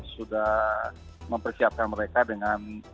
sudah mempersiapkan mereka dengan